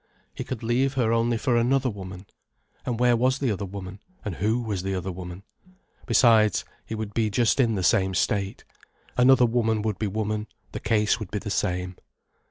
He could leave her only for another woman. And where was the other woman, and who was the other woman? Besides, he would be just in the same state. Another woman would be woman, the case would be the same.